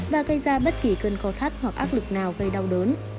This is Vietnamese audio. và gây ra bất kỳ cơn có thắt hoặc ác lực nào gây đau đớn